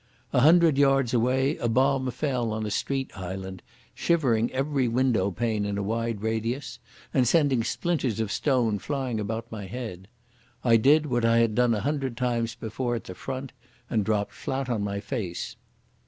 A hundred yards away a bomb fell on a street island, shivering every window pane in a wide radius, and sending splinters of stone flying about my head. I did what I had done a hundred times before at the Front, and dropped flat on my face.